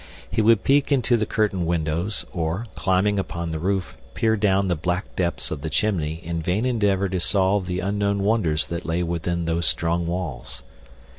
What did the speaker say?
He would peek into the curtained windows, or, climbing upon the roof, peer down the black depths of the chimney in vain endeavor to solve the unknown wonders that lay within those strong walls.